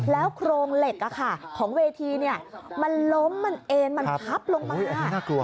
โครงเหล็กของเวทีมันล้มมันเอ็นมันพับลงมา